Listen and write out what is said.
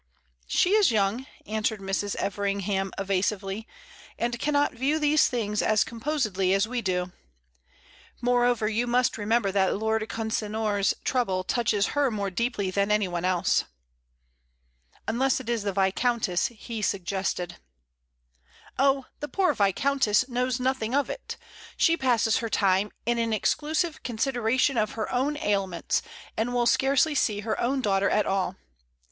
"She is young," answered Mrs. Everingham, evasively, "and cannot view these things as composedly as we do. Moreover, you must remember that Lord Consinor's trouble touches her more deeply than anyone else." "Unless it is the viscountess," he suggested. "Oh, the poor viscountess knows nothing of it! She passes her time in an exclusive consideration of her own ailments, and will scarcely see her own daughter at all.